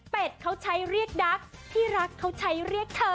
เป็ดเค้าใช้เรียกดักพี่รักเค้าใช้เรียกเธอ